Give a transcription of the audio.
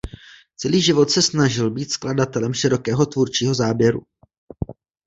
Celý život se snažil být skladatelem širokého tvůrčího záběru.